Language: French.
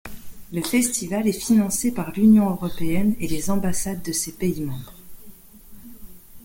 Le festival est financé par l'Union Européenne et les ambassades de ses pays membres.